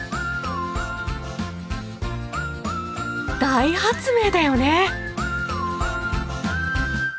大発明だよね！